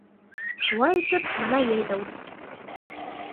Шулай итеп, бына йәй ҙә уҙып китте.